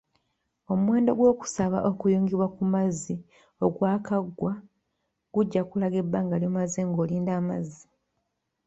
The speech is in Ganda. Omuwendo gw'okusaba okuyungibwa ku mazzi ogwakaggwa gujja kulaga ebbanga ly'omaze ng'olinda amazzi.